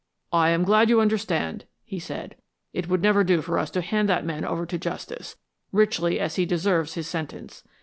"I am glad you understand," he said. "It would never do for us to hand that man over to justice, richly as he deserves his sentence.